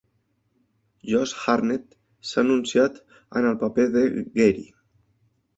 Josh Hartnett s'ha anunciat en el paper de Gary.